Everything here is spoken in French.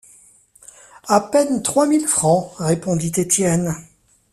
À peine trois mille francs, répondit Étienne.